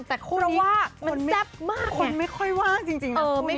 แต่คู่นี้คนไม่ค่อยว่างจริงนะคู่นี้เพราะว่ามันแซ่บมาก